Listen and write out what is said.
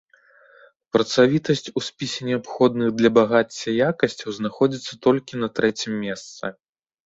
Працавітасць у спісе неабходных для багацця якасцяў знаходзіцца толькі на трэцім месцы.